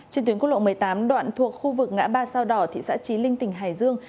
trên tuyến quốc lộ một mươi tám đoạn thuộc khu vực ngã ba sao đỏ thị xã trí linh tỉnh hải dương